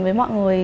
với mọi người